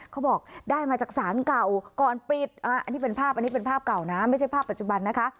เขาบอกได้มาจากศาลเก่าก่อนปิดอันนี้เป็นภาพอันนี้เป็นภาพเก่านะไม่ใช่ภาพปัจจุบันนะคะ